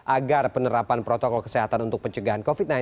agar penerapan protokol kesehatan untuk pencegahan covid sembilan belas